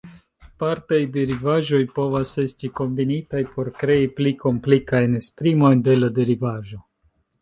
Partaj derivaĵoj povas esti kombinitaj por krei pli komplikajn esprimojn de la derivaĵo.